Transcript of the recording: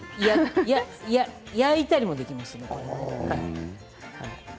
焼いたりもできますよ。